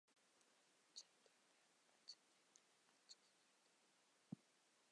• Chin dildan achingangina achchiq so‘z aytadi.